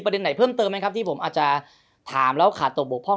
เป็นใบหน่อยเพิ่มเติมนะครับที่ผมอาจจะถามแล้วหลากออกบทห้อง